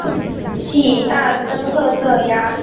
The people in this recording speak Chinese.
体大深褐色鸭。